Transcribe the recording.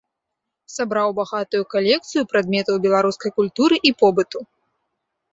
Сабраў багатую калекцыю прадметаў беларускай культуры і побыту.